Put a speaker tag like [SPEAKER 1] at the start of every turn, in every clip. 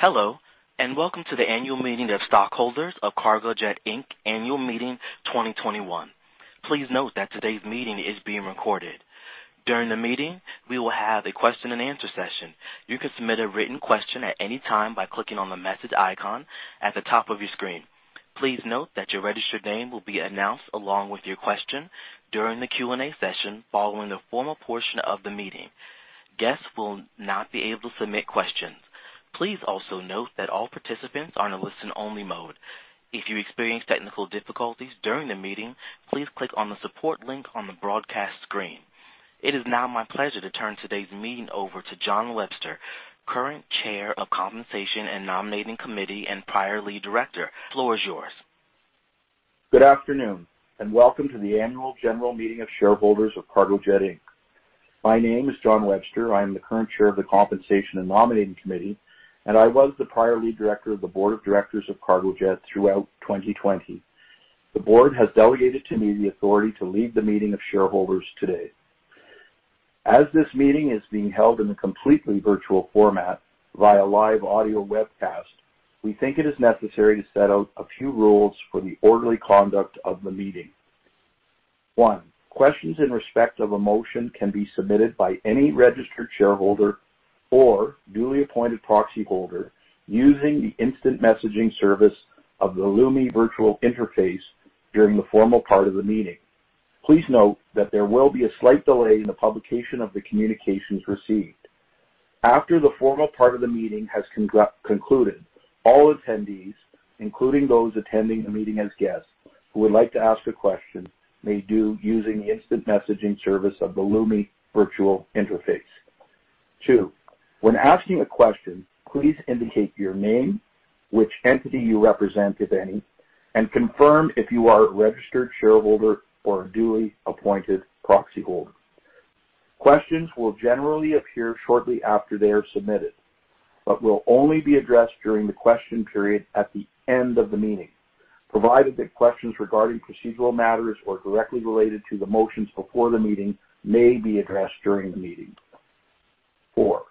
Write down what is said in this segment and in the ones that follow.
[SPEAKER 1] Hello, and welcome to the annual meeting of stockholders of Cargojet Inc. Annual Meeting 2021. Please note that today's meeting is being recorded. During the meeting, we will have a question and answer session. You can submit a written question at any time by clicking on the message icon at the top of your screen. Please note that your registered name will be announced along with your question during the Q&A session following the formal portion of the meeting. Guests will not be able to submit questions. Please also note that all participants are on a listen only mode. If you experience technical difficulties during the meeting, please click on the support link on the broadcast screen. It is now my pleasure to turn today's meeting over to John Webster, Current Chair of Compensation and Nominating Committee and prior Lead Director. The floor is yours.
[SPEAKER 2] Good afternoon, and welcome to the annual general meeting of shareholders of Cargojet Inc. My name is John Webster. I am the current Chair of the Compensation and Nominating Committee, and I was the prior Lead Director of the Board of Directors of Cargojet throughout 2020. The board has delegated to me the authority to lead the meeting of shareholders today. As this meeting is being held in a completely virtual format via live audio webcast, we think it is necessary to set out a few rules for the orderly conduct of the meeting. One, questions in respect of a motion can be submitted by any registered shareholder or duly appointed proxyholder using the instant messaging service of the Lumi virtual interface during the formal part of the meeting. Please note that there will be a slight delay in the publication of the communications received. After the formal part of the meeting has concluded, all attendees, including those attending the meeting as guests who would like to ask a question, may do using the instant messaging service of the Lumi virtual interface. Two. When asking a question, please indicate your name, which entity you represent, if any, and confirm if you are a registered shareholder or a duly appointed proxyholder. Questions will generally appear shortly after they are submitted, but will only be addressed during the question period at the end of the meeting, provided that questions regarding procedural matters or directly related to the motions before the meeting may be addressed during the meeting. Four.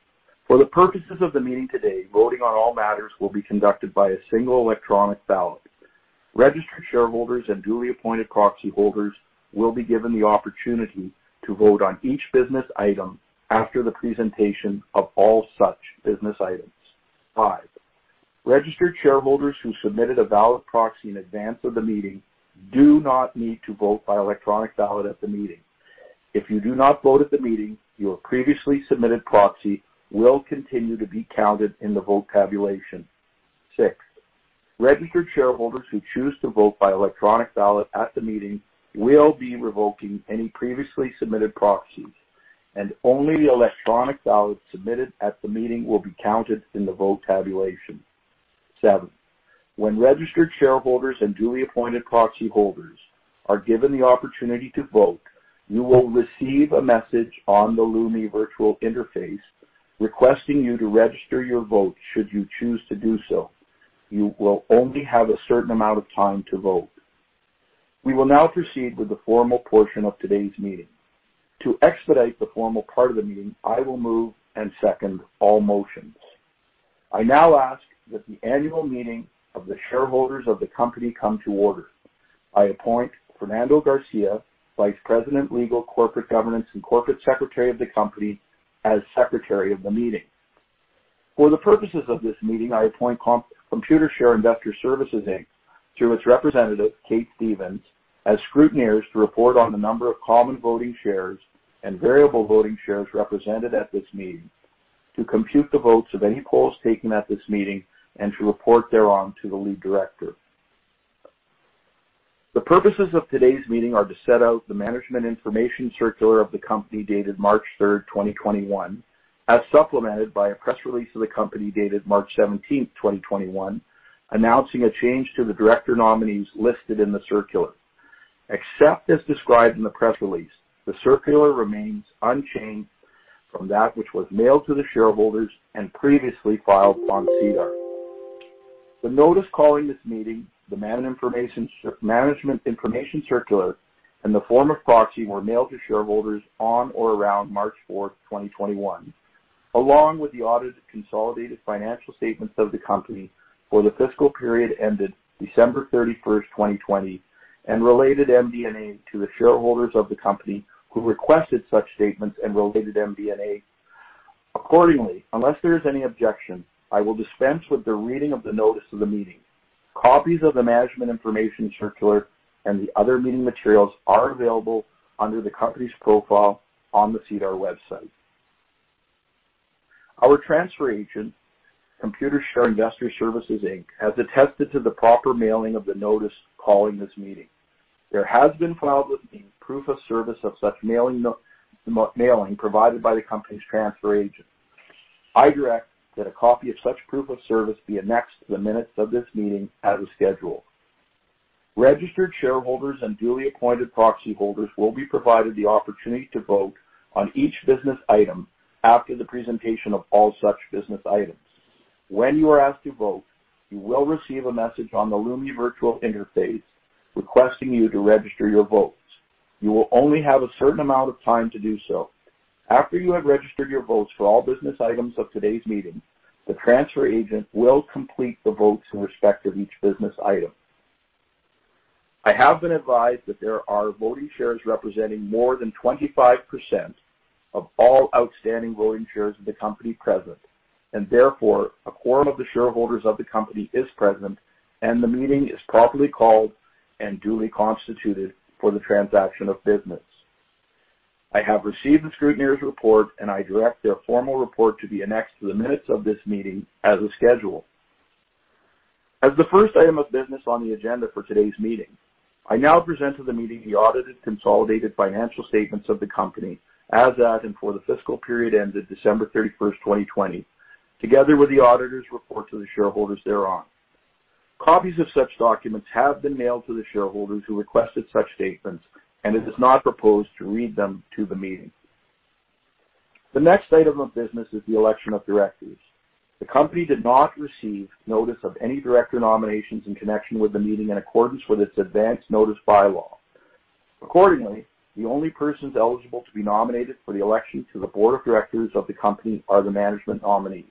[SPEAKER 2] For the purposes of the meeting today, voting on all matters will be conducted by a single electronic ballot. Registered shareholders and duly appointed proxyholders will be given the opportunity to vote on each business item after the presentation of all such business items. Five, registered shareholders who submitted a valid proxy in advance of the meeting do not need to vote by electronic ballot at the meeting. If you do not vote at the meeting, your previously submitted proxy will continue to be counted in the vote tabulation. Six, registered shareholders who choose to vote by electronic ballot at the meeting will be revoking any previously submitted proxies, and only the electronic ballot submitted at the meeting will be counted in the vote tabulation. Seven, when registered shareholders and duly appointed proxyholders are given the opportunity to vote, you will receive a message on the Lumi virtual interface requesting you to register your vote should you choose to do so. You will only have a certain amount of time to vote. We will now proceed with the formal portion of today's meeting. To expedite the formal part of the meeting, I will move and second all motions. I now ask that the annual meeting of the shareholders of the company come to order. I appoint Fernando Garcia, Vice President, Legal, Corporate Governance, and Corporate Secretary of the company, as Secretary of the meeting. For the purposes of this meeting, I appoint Computershare Investor Services Inc., through its representative, Kate Stevens, as scrutineers to report on the number of common voting shares and variable voting shares represented at this meeting, to compute the votes of any polls taken at this meeting, and to report thereon to the Lead Director. The purposes of today's meeting are to set out the management information circular of the company dated March 3rd, 2021, as supplemented by a press release of the company dated March 17th, 2021, announcing a change to the director nominees listed in the circular. Except as described in the press release, the circular remains unchanged from that which was mailed to the shareholders and previously filed on SEDAR. The notice calling this meeting, the management information circular, and the form of proxy were mailed to shareholders on or around March 4th, 2021, along with the audited consolidated financial statements of the company for the fiscal period ended December 31st, 2020, and related MD&A to the shareholders of the company who requested such statements and related MD&A. Accordingly, unless there is any objection, I will dispense with the reading of the notice of the meeting. Copies of the management information circular and the other meeting materials are available under the company's profile on the SEDAR website. Our transfer agent, Computershare Investor Services Inc., has attested to the proper mailing of the notice calling this meeting. There has been filed with the proof of service of such mailing provided by the company's transfer agent. I direct that a copy of such proof of service be annexed to the minutes of this meeting as a schedule. Registered shareholders and duly appointed proxyholders will be provided the opportunity to vote on each business item after the presentation of all such business items. When you are asked to vote, you will receive a message on the Lumi virtual interface requesting you to register your vote. You will only have a certain amount of time to do so. After you have registered your votes for all business items of today's meeting, the transfer agent will complete the votes in respect of each business item. I have been advised that there are voting shares representing more than 25% of all outstanding voting shares of the company present, and therefore, a quorum of the shareholders of the company is present, and the meeting is properly called and duly constituted for the transaction of business. I have received the scrutineer's report, and I direct their formal report to be annexed to the minutes of this meeting as a schedule. As the first item of business on the agenda for today's meeting, I now present to the meeting the audited consolidated financial statements of the company as at and for the fiscal period ended December 31st, 2020, together with the auditors' report to the shareholders thereon. Copies of such documents have been mailed to the shareholders who requested such statements, and it is not proposed to read them to the meeting. The next item of business is the election of directors. The company did not receive notice of any director nominations in connection with the meeting in accordance with its advance notice bylaw. Accordingly, the only persons eligible to be nominated for the election to the board of directors of the company are the management nominees.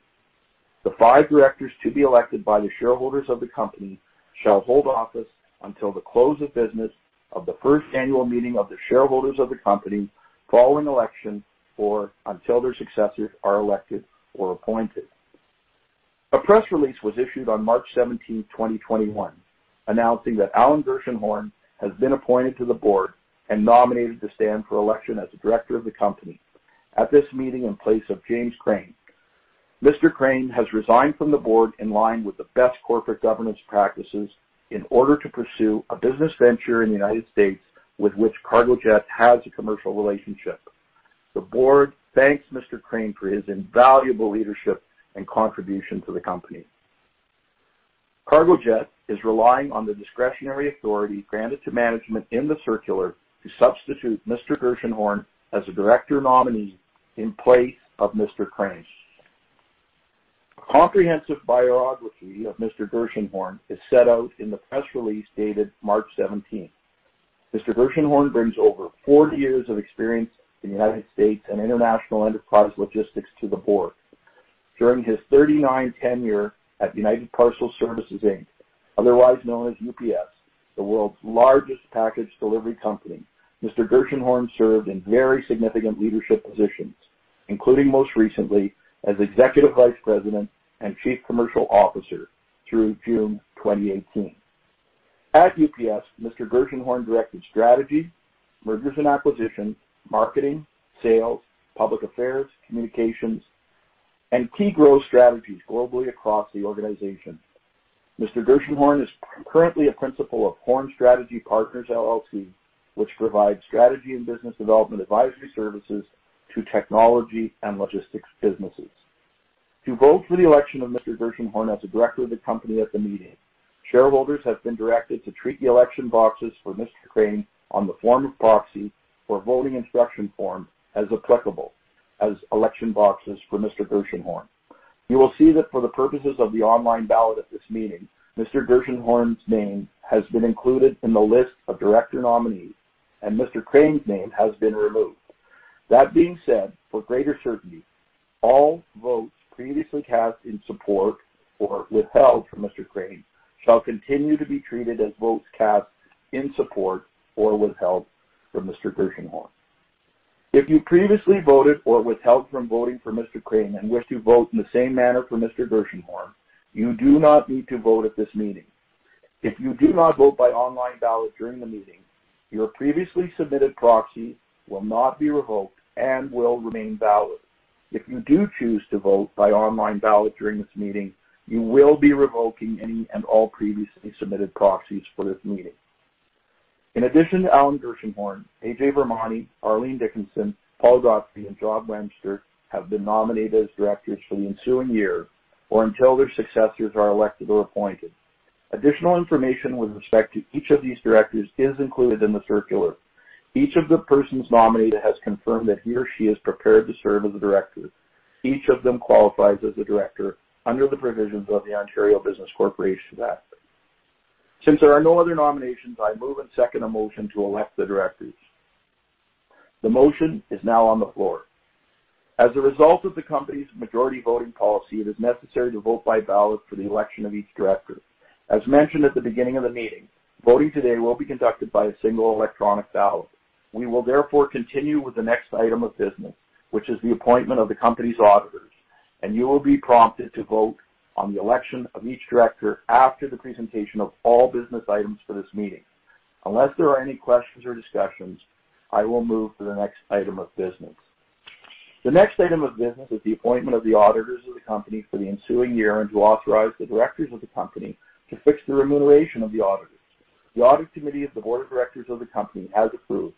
[SPEAKER 2] The five directors to be elected by the shareholders of the company shall hold office until the close of business of the first annual meeting of the shareholders of the company following election or until their successors are elected or appointed. A press release was issued on March 17th, 2021, announcing that Alan Gershenhorn has been appointed to the board and nominated to stand for election as a director of the company at this meeting in place of James Crane. Mr. Crane has resigned from the board in line with the best corporate governance practices in order to pursue a business venture in the United States with which Cargojet has a commercial relationship. The board thanks Mr. Crane for his invaluable leadership and contribution to the company. Cargojet is relying on the discretionary authority granted to management in the circular to substitute Mr. Gershenhorn as a director nominee in place of Mr. Crane. A comprehensive biography of Mr. Gershenhorn is set out in the press release dated March 17th. Mr. Gershenhorn brings over 40 years of experience in United States and international enterprise logistics to the board. During his 39 tenure at United Parcel Service, Inc., otherwise known as UPS, the world's largest package delivery company, Mr. Gershenhorn served in very significant leadership positions, including most recently as Executive Vice President and Chief Commercial Officer through June 2018. At UPS, Mr. Gershenhorn directed strategy, mergers and acquisitions, marketing, sales, public affairs, communications, and key growth strategies globally across the organization. Mr. Gershenhorn is currently a principal of HORN Strategy, LLC, which provides strategy and business development advisory services to technology and logistics businesses. To vote for the election of Mr. Gershenhorn as a Director of the company at the meeting, shareholders have been directed to treat the election boxes for Mr. Crane on the form of proxy or voting instruction form as applicable as election boxes for Mr. Gershenhorn. You will see that for the purposes of the online ballot at this meeting, Mr. Gershenhorn's name has been included in the list of director nominees, and Mr. Crane's name has been removed. That being said, for greater certainty, all votes previously cast in support or withheld from Mr. Crane shall continue to be treated as votes cast in support or withheld from Mr. Gershenhorn. If you previously voted or withheld from voting for Mr. Crane and wish to vote in the same manner for Mr. Gershenhorn, you do not need to vote at this meeting. If you do not vote by online ballot during the meeting, your previously submitted proxy will not be revoked and will remain valid. If you do choose to vote by online ballot during this meeting, you will be revoking any and all previously submitted proxies for this meeting. In addition to Alan Gershenhorn, Ajay Virmani, Arlene Dickinson, Paul Godfrey, and John Webster have been nominated as directors for the ensuing year or until their successors are elected or appointed. Additional information with respect to each of these directors is included in the circular. Each of the persons nominated has confirmed that he or she is prepared to serve as a director. Each of them qualifies as a director under the provisions of the Ontario Business Corporations Act. Since there are no other nominations, I move and second a motion to elect the directors. The motion is now on the floor. As a result of the company's majority voting policy, it is necessary to vote by ballot for the election of each director. As mentioned at the beginning of the meeting, voting today will be conducted by a single electronic ballot. We will therefore continue with the next item of business, which is the appointment of the company's auditors, and you will be prompted to vote on the election of each director after the presentation of all business items for this meeting. Unless there are any questions or discussions, I will move to the next item of business. The next item of business is the appointment of the auditors of the company for the ensuing year and to authorize the directors of the company to fix the remuneration of the auditors. The audit committee of the board of directors of the company has approved,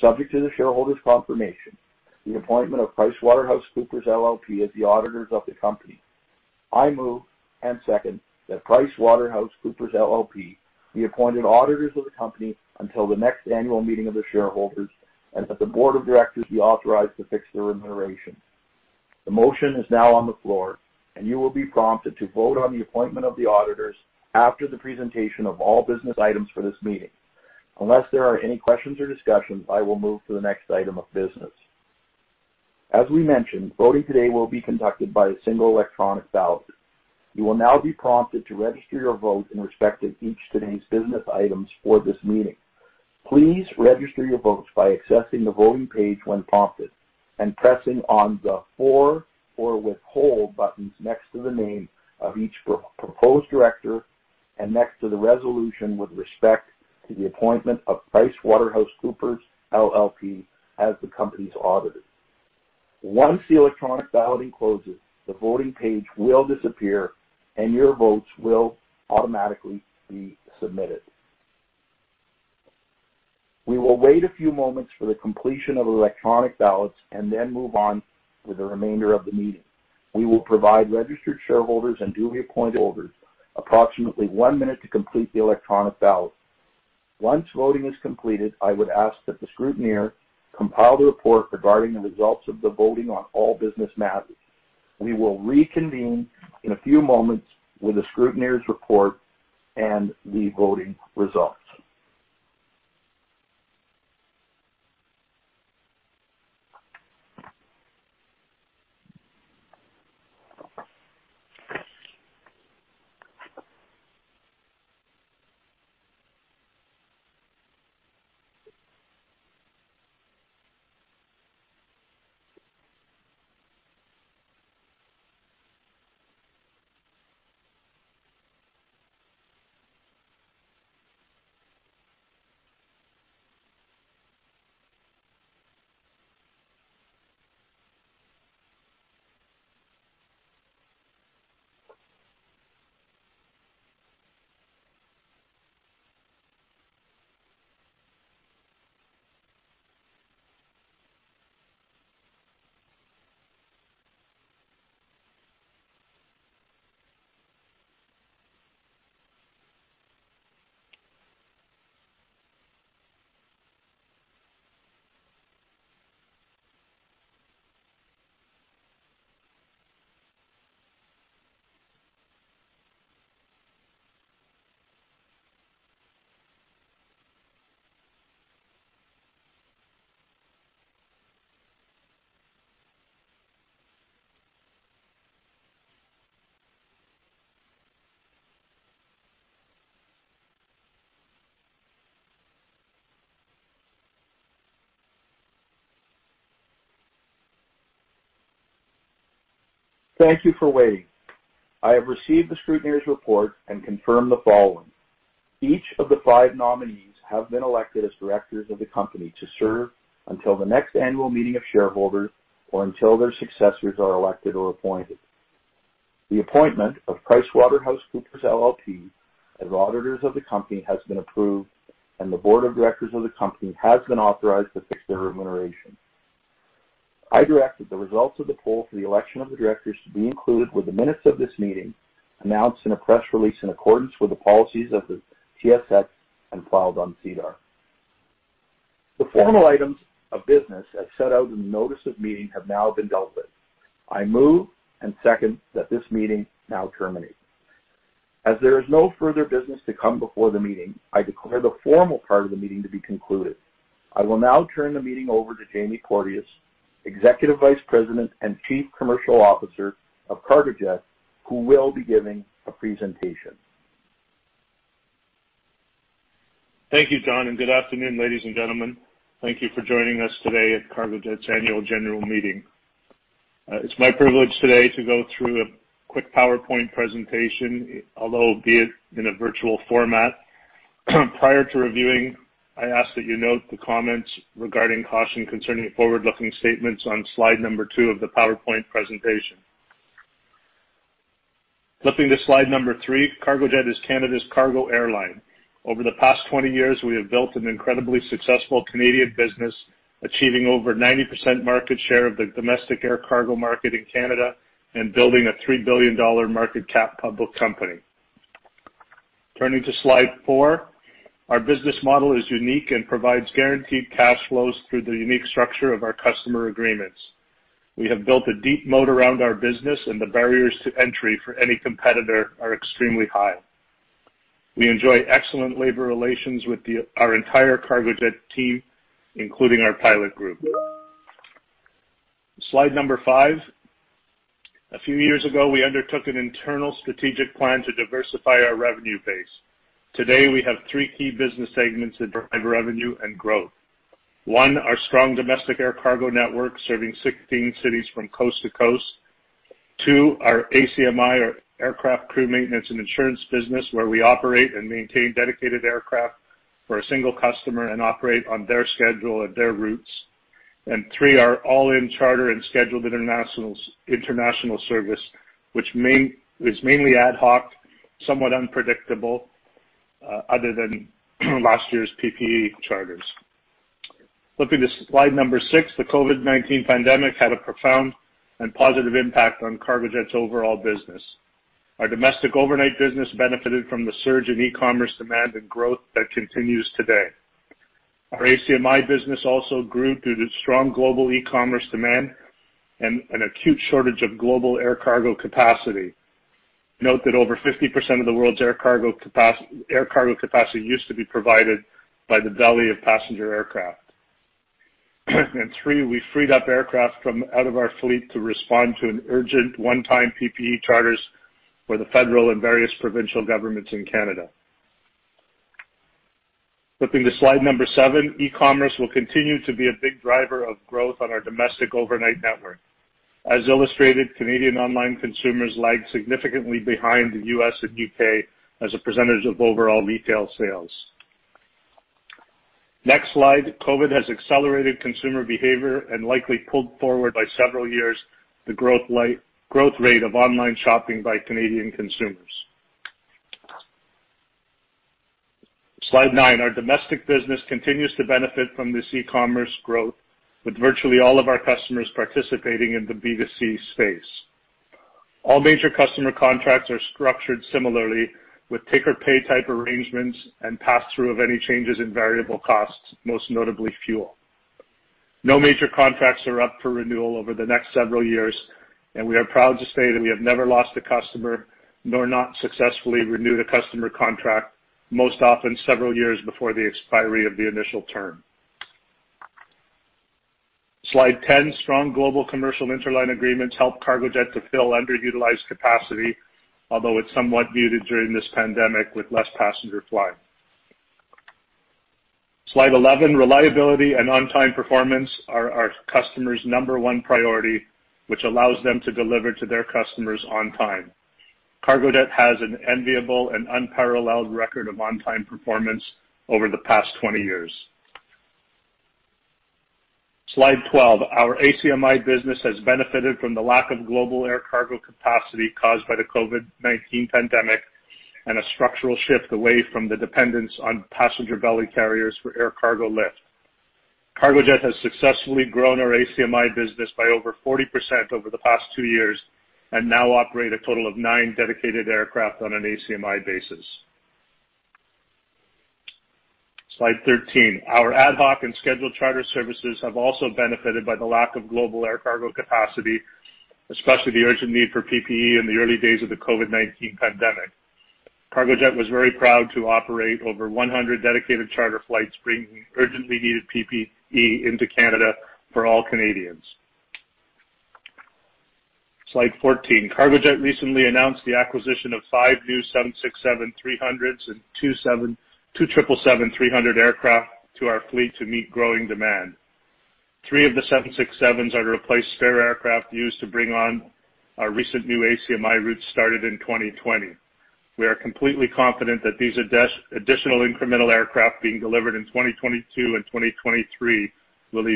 [SPEAKER 2] subject to the shareholders' confirmation, the appointment of PricewaterhouseCoopers LLP as the auditors of the company. I move and second that PricewaterhouseCoopers LLP be appointed auditors of the company until the next annual meeting of the shareholders and that the board of directors be authorized to fix their remuneration. The motion is now on the floor, and you will be prompted to vote on the appointment of the auditors after the presentation of all business items for this meeting. Unless there are any questions or discussions, I will move to the next item of business. As we mentioned, voting today will be conducted by a single electronic ballot. You will now be prompted to register your vote in respect of each of today's business items for this meeting. Please register your votes by accessing the voting page when prompted, and pressing on the For or Withhold buttons next to the name of each proposed director and next to the resolution with respect to the appointment of PricewaterhouseCoopers LLP as the company's auditor. Once the electronic balloting closes, the voting page will disappear, and your votes will automatically be submitted. We will wait a few moments for the completion of electronic ballots and then move on with the remainder of the meeting. We will provide registered shareholders and duly appointed voters approximately one minute to complete the electronic ballot. Once voting is completed, I would ask that the scrutineer compile the report regarding the results of the voting on all business matters. We will reconvene in a few moments with the scrutineer's report and the voting results. Thank you for waiting. I have received the scrutineer's report and confirm the following. Each of the five nominees have been elected as directors of the company to serve until the next annual meeting of shareholders or until their successors are elected or appointed. The appointment of PricewaterhouseCoopers LLP as auditors of the company has been approved, and the board of directors of the company has been authorized to fix their remuneration. I direct that the results of the poll for the election of the directors to be included with the minutes of this meeting, announced in a press release in accordance with the policies of the TSX and filed on SEDAR. The formal items of business as set out in the notice of meeting have now been dealt with. I move and second that this meeting now terminate. As there is no further business to come before the meeting, I declare the formal part of the meeting to be concluded. I will now turn the meeting over to Jamie Porteous, Executive Vice President and Chief Commercial Officer of Cargojet, who will be giving a presentation.
[SPEAKER 3] Thank you, John, and good afternoon, ladies and gentlemen. Thank you for joining us today at Cargojet's annual general meeting. It's my privilege today to go through a quick PowerPoint presentation, although be it in a virtual format. Prior to reviewing, I ask that you note the comments regarding caution concerning forward-looking statements on slide two of the PowerPoint presentation. Flipping to slide three, Cargojet is Canada's cargo airline. Over the past 20 years, we have built an incredibly successful Canadian business, achieving over 90% market share of the domestic air cargo market in Canada and building a 3 billion dollar market cap public company. Turning to slide four. Our business model is unique and provides guaranteed cash flows through the unique structure of our customer agreements. We have built a deep moat around our business. The barriers to entry for any competitor are extremely high. We enjoy excellent labor relations with our entire Cargojet team, including our pilot group. Slide number five. A few years ago, we undertook an internal strategic plan to diversify our revenue base. Today, we have three key business segments that drive revenue and growth. One, our strong domestic air cargo network, serving 16 cities from coast to coast. Two, our ACMI, or Aircraft Crew Maintenance and Insurance business, where we operate and maintain dedicated aircraft for a single customer and operate on their schedule at their routes. Three, our all-in charter and scheduled international service, which is mainly ad hoc, somewhat unpredictable, other than last year's PPE charters. Flipping to slide number six, the COVID-19 pandemic had a profound and positive impact on Cargojet's overall business. Our domestic overnight business benefited from the surge in e-commerce demand and growth that continues today. Our ACMI business also grew due to strong global e-commerce demand and an acute shortage of global air cargo capacity. Note that over 50% of the world's air cargo capacity used to be provided by the belly of passenger aircraft. Three, we freed up aircraft from out of our fleet to respond to an urgent one-time PPE charters for the federal and various provincial governments in Canada. Flipping to slide seven, e-commerce will continue to be a big driver of growth on our domestic overnight network. As illustrated, Canadian online consumers lag significantly behind the U.S. and U.K. as a percentage of overall retail sales. Next slide. COVID has accelerated consumer behavior and likely pulled forward by several years the growth rate of online shopping by Canadian consumers. Slide nine. Our domestic business continues to benefit from this e-commerce growth, with virtually all of our customers participating in the B2C space. All major customer contracts are structured similarly, with take-or-pay type arrangements and pass-through of any changes in variable costs, most notably fuel. No major contracts are up for renewal over the next several years, and we are proud to say that we have never lost a customer, nor not successfully renewed a customer contract, most often several years before the expiry of the initial term. Slide 10. Strong global commercial interline agreements help Cargojet to fill underutilized capacity, although it's somewhat muted during this pandemic with less passenger flying. Slide 11. Reliability and on-time performance are our customers' number one priority, which allows them to deliver to their customers on time. Cargojet has an enviable and unparalleled record of on-time performance over the past 20 years. Slide 12. Our ACMI business has benefited from the lack of global air cargo capacity caused by the COVID-19 pandemic and a structural shift away from the dependence on passenger belly carriers for air cargo lift. Cargojet has successfully grown our ACMI business by over 40% over the past two years and now operate a total of nine dedicated aircraft on an ACMI basis. Slide 13. Our ad hoc and scheduled charter services have also benefited by the lack of global air cargo capacity, especially the urgent need for PPE in the early days of the COVID-19 pandemic. Cargojet was very proud to operate over 100 dedicated charter flights, bringing urgently needed PPE into Canada for all Canadians. Slide 14. Cargojet recently announced the acquisition of five new Boeing 767-300s and two Boeing 777-300 aircraft to our fleet to meet growing demand. Three of the 767s are to replace spare aircraft used to bring on our recent new ACMI routes started in 2020. We are completely confident that these additional incremental aircraft being delivered in 2022 and 2023 will be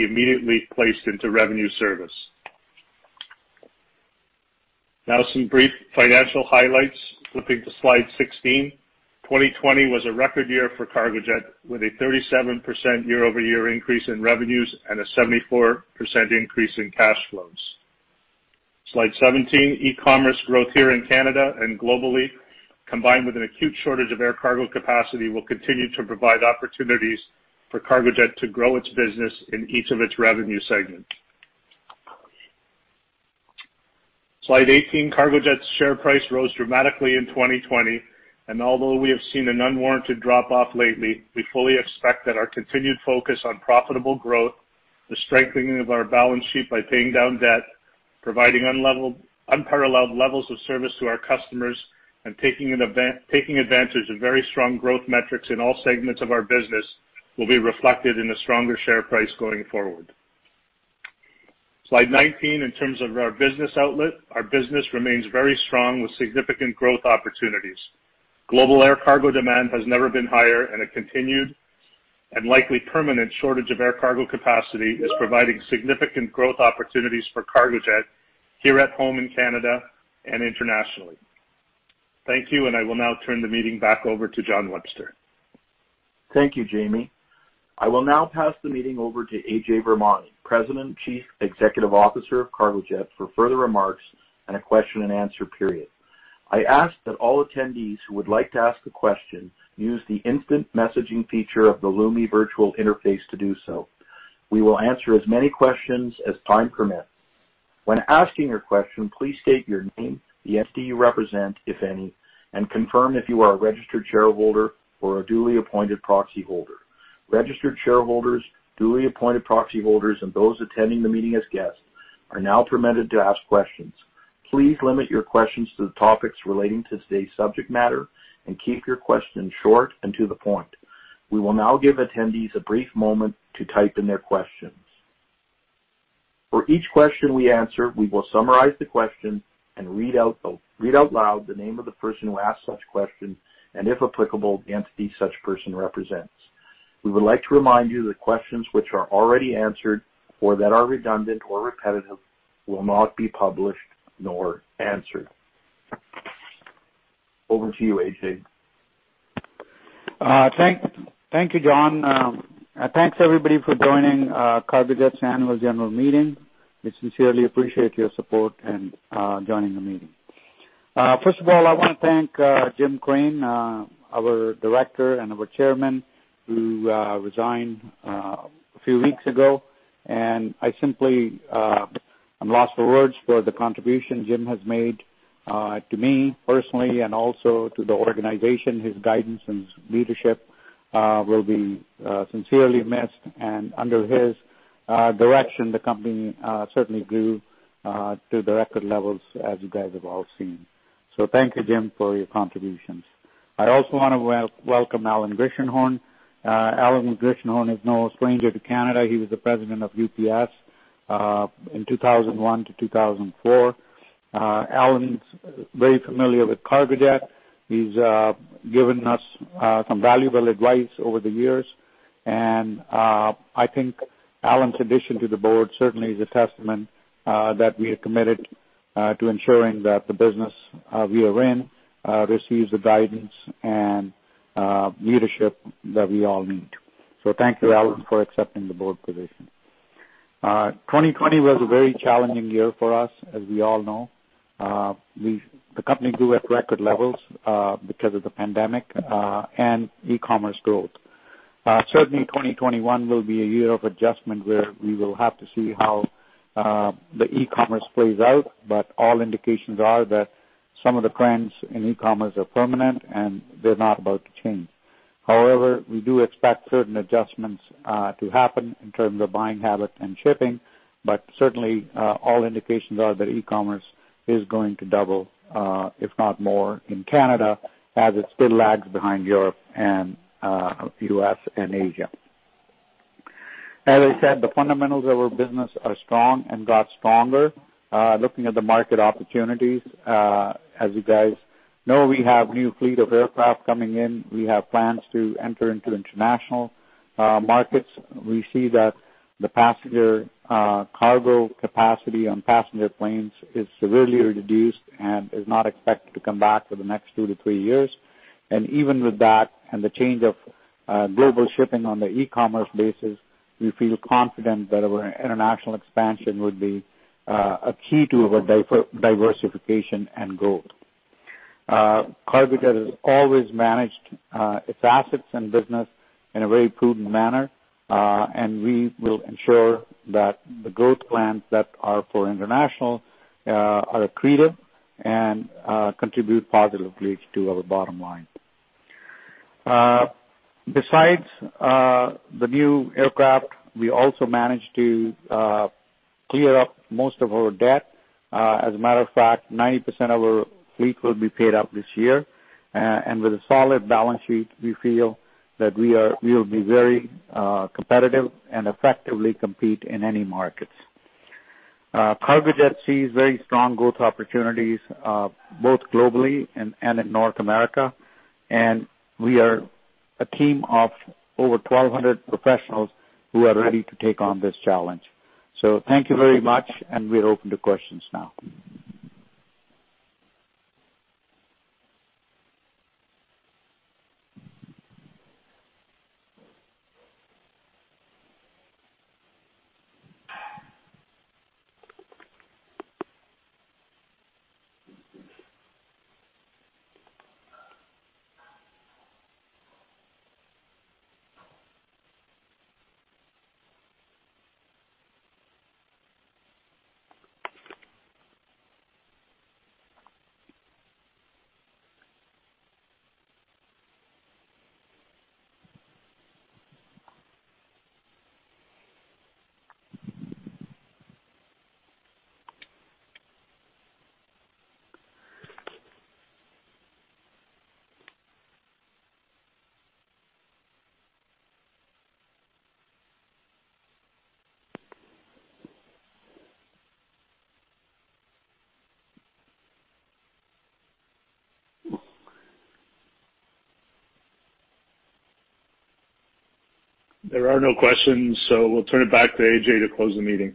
[SPEAKER 3] immediately placed into revenue service. Some brief financial highlights. Flipping to slide 16. 2020 was a record year for Cargojet, with a 37% year-over-year increase in revenues and a 74% increase in cash flows. Slide 17. E-commerce growth here in Canada and globally, combined with an acute shortage of air cargo capacity, will continue to provide opportunities for Cargojet to grow its business in each of its revenue segments. Slide 18. Cargojet's share price rose dramatically in 2020, and although we have seen an unwarranted drop-off lately, we fully expect that our continued focus on profitable growth, the strengthening of our balance sheet by paying down debt, providing unparalleled levels of service to our customers, and taking advantage of very strong growth metrics in all segments of our business will be reflected in a stronger share price going forward. Slide 19. In terms of our business outlet, our business remains very strong with significant growth opportunities. Global air cargo demand has never been higher, and a continued and likely permanent shortage of air cargo capacity is providing significant growth opportunities for Cargojet here at home in Canada and internationally. Thank you, and I will now turn the meeting back over to John Webster.
[SPEAKER 2] Thank you, Jamie. I will now pass the meeting over to Ajay Virmani, President and Chief Executive Officer of Cargojet, for further remarks and a question and answer period. I ask that all attendees who would like to ask a question use the instant messaging feature of the Lumi Virtual interface to do so. We will answer as many questions as time permits. When asking your question, please state your name, the entity you represent, if any, and confirm if you are a registered shareholder or a duly appointed proxyholder. Registered shareholders, duly appointed proxyholders, and those attending the meeting as guests are now permitted to ask questions. Please limit your questions to the topics relating to today's subject matter and keep your questions short and to the point. We will now give attendees a brief moment to type in their questions. For each question we answer, we will summarize the question and read out loud the name of the person who asked such question, and if applicable, the entity such person represents. We would like to remind you that questions which are already answered or that are redundant or repetitive will not be published nor answered. Over to you, Ajay.
[SPEAKER 4] Thank you, John. Thanks, everybody, for joining Cargojet's Annual General Meeting. We sincerely appreciate your support in joining the meeting. First of all, I want to thank Jim Crane, our Director and our Chairman, who resigned a few weeks ago. I simply am lost for words for the contribution Jim has made to me personally and also to the organization. His guidance and his leadership will be sincerely missed. Under his direction, the company certainly grew to the record levels as you guys have all seen. Thank you, Jim, for your contributions. I also want to welcome Alan Gershenhorn. Alan Gershenhorn is no stranger to Canada. He was the President of UPS in 2001-2004. Alan's very familiar with Cargojet. He's given us some valuable advice over the years, and I think Alan's addition to the board certainly is a testament that we are committed to ensuring that the business we are in receives the guidance and leadership that we all need. Thank you, Alan, for accepting the board position. 2020 was a very challenging year for us, as we all know. The company grew at record levels because of the pandemic and e-commerce growth. Certainly, 2021 will be a year of adjustment, where we will have to see how the e-commerce plays out. All indications are that some of the trends in e-commerce are permanent, and they're not about to change. However, we do expect certain adjustments to happen in terms of buying habit and shipping. Certainly, all indications are that e-commerce is going to double, if not more, in Canada, as it still lags behind Europe and U.S. and Asia. As I said, the fundamentals of our business are strong and got stronger. Looking at the market opportunities, as you guys know, we have new fleet of aircraft coming in. We have plans to enter into international markets. We see that the passenger cargo capacity on passenger planes is severely reduced and is not expected to come back for the next two to three years. Even with that and the change of global shipping on the e-commerce basis, we feel confident that our international expansion would be a key to our diversification and growth. Cargojet has always managed its assets and business in a very prudent manner. We will ensure that the growth plans that are for international are accretive and contribute positively to our bottom line. Besides the new aircraft, we also managed to clear up most of our debt. As a matter of fact, 90% of our fleet will be paid up this year. With a solid balance sheet, we feel that we will be very competitive and effectively compete in any markets. Cargojet sees very strong growth opportunities both globally and in North America. We are a team of over 1,200 professionals who are ready to take on this challenge. Thank you very much, and we're open to questions now.
[SPEAKER 2] There are no questions, so we'll turn it back to Ajay to close the meeting.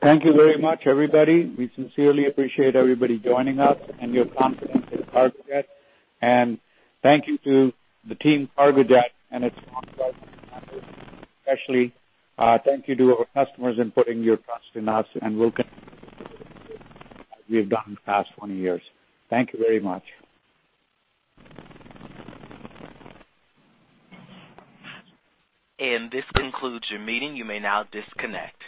[SPEAKER 4] Thank you very much, everybody. We sincerely appreciate everybody joining us and your confidence in Cargojet. Thank you to the team Cargojet and its especially. Thank you to our customers in putting your trust in us, and we'll we've done the past 20 years. Thank you very much.
[SPEAKER 1] This concludes your meeting. You may now disconnect.